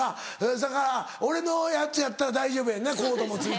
だから俺のやつやったら大丈夫やなコードも付いてるし。